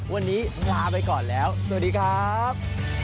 วันนี้ลาไปก่อนแล้วสวัสดีครับ